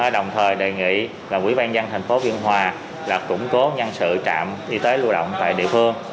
đồng thời đề nghị quỹ ban nhân dân tp biên hòa củng cố nhân sự trạm y tế lưu động tại địa phương